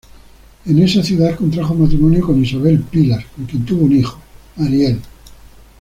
En esa ciudad contrajo matrimonio con Isabel Pilas con quien tuvo un hijo: Ariel.